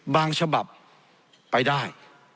บางฉบับไปได้